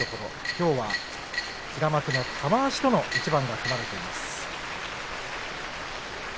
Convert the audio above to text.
きょうは平幕の玉鷲との一番が組まれています。